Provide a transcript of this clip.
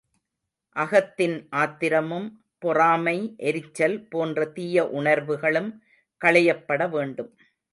அகத்தின் ஆத்திரமும், பொறாமை, எரிச்சல் போன்ற தீய உணர்வுகளும் களையப்பட வேண்டும்.